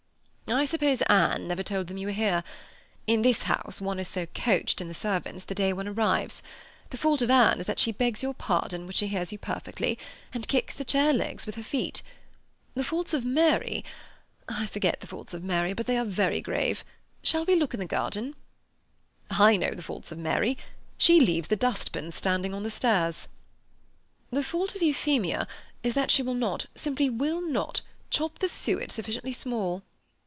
"I suppose Anne never told them you were here. In this house one is so coached in the servants the day one arrives. The fault of Anne is that she begs your pardon when she hears you perfectly, and kicks the chair legs with her feet. The faults of Mary—I forget the faults of Mary, but they are very grave. Shall we look in the garden?" "I know the faults of Mary. She leaves the dust pans standing on the stairs." "The fault of Euphemia is that she will not, simply will not, chop the suet sufficiently small."